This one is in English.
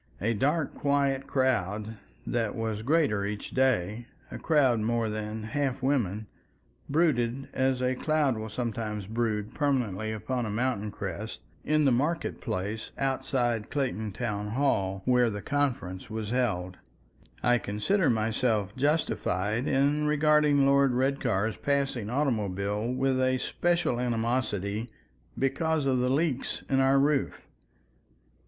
... A dark, quiet crowd, that was greater each day, a crowd more than half women, brooded as a cloud will sometimes brood permanently upon a mountain crest, in the market place outside the Clayton Town Hall, where the conference was held. ... I consider myself justified in regarding Lord Redcar's passing automobile with a special animosity because of the leaks in our roof.